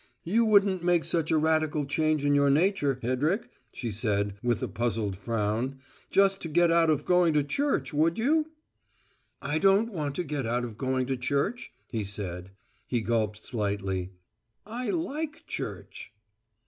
"You wouldn't make such a radical change in your nature, Hedrick," she said, with a puzzled frown, "just to get out of going to church, would you?" "I don't want to get out of going to church," he said. He gulped slightly. "I like church."